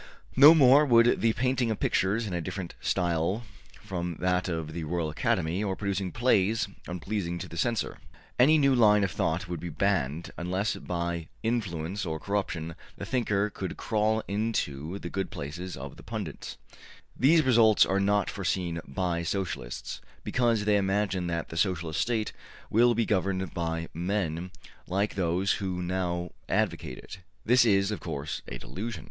No more would the painting of pictures in a different style from that of the Royal Academy, or producing plays unpleasing to the censor. Any new line of thought would be banned, unless by influence or corruption the thinker could crawl into the good graces of the pundits. These results are not foreseen by Socialists, because they imagine that the Socialist State will be governed by men like those who now advocate it. This is, of course, a delusion.